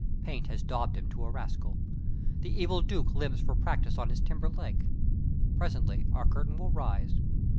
Paint has daubed him to a rascal. The evil Duke limps for practice on his timber leg. Presently our curtain will rise.